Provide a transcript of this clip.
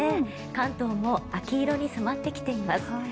関東も秋色に染まってきています。